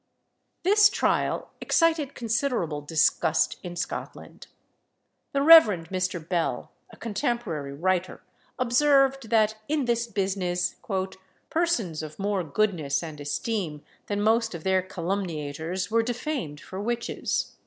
This trial excited considerable disgust in Scotland. The Rev. Mr. Bell, a contemporary writer, observed that, in this business, "persons of more goodness and esteem than most of their calumniators were defamed for witches."